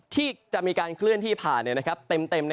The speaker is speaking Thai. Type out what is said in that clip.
ที่จะมีการเคลื่อนที่ผ่านเต็ม